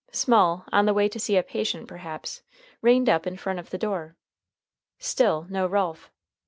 Small, on the way to see a patient perhaps, reined up in front of the door. Still no Ralph.